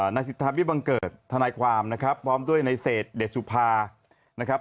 นายสิทธาวิบังเกิดทนายความนะครับพร้อมด้วยในเศษเดชสุภานะครับ